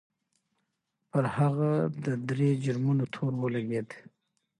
پر هغه د درې جرمونو تور ولګېد.